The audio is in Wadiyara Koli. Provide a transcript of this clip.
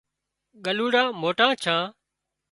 ڳلُوڙان موٽان ڇان